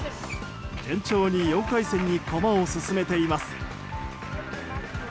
順調に４回戦に駒を進めています。